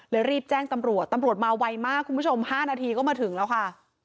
รีบแจ้งตำรวจตำรวจมาไวมากคุณผู้ชม๕นาทีก็มาถึงแล้วค่ะ